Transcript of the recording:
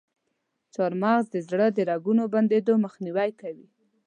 چارمغز د زړه د رګونو بندیدو مخنیوی کوي.